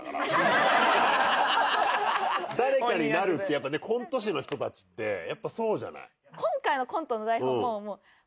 誰かになるってやっぱねコント師の人たちってやっぱそうじゃない。